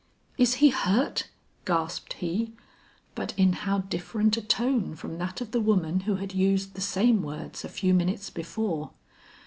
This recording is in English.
"Is he hurt?" gasped he, but in how different a tone from that of the woman who had used the same words a few minutes before.